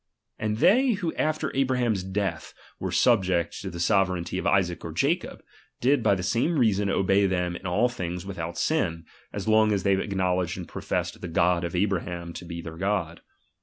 And they who after Abraham's death were subject to the sove reignty of Isaac or Jacob, did by the same reason obey them in all things without ain, as long as they acknowledged and professed the God of Abraham to be their God.